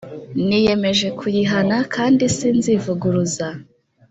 Niyemeje kuyihana kandi sinzivuguruza !